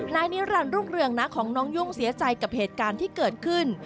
นายนิรันดิรุ่งเรืองน้าของน้องยุ่งเสียใจกับเหตุการณ์ที่เกิดขึ้น